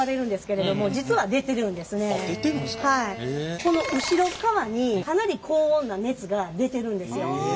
この後ろっかわにかなり高温な熱が出てるんですよ。